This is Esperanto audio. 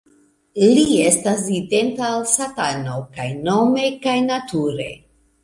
Li estas identa al Satano kaj nome kaj nature.